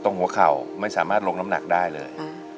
หัวเข่าไม่สามารถลงน้ำหนักได้เลย